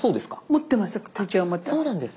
持ってます。